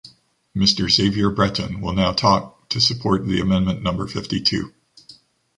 Mister Xavier Breton will now talk, to support the amendment number fifty-two.